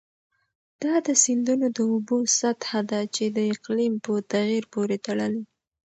دا د سیندونو د اوبو سطحه ده چې د اقلیم په تغیر پورې تړلې.